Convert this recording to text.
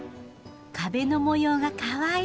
壁の模様がかわいい！